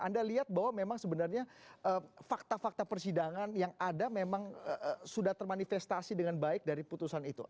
anda lihat bahwa memang sebenarnya fakta fakta persidangan yang ada memang sudah termanifestasi dengan baik dari putusan itu